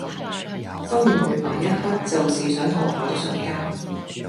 心亂如麻一刻就是想逃跑的瞬間